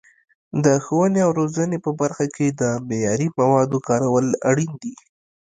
د ښوونې او روزنې په برخه کې د معیاري موادو کارول اړین دي.